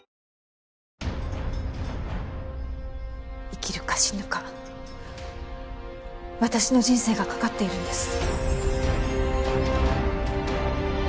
生きるか死ぬか私の人生がかかっているんです。